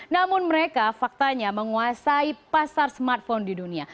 namun mereka faktanya menguasai pasar smartphone di dunia